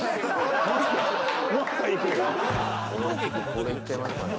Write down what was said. これいっちゃいますかね。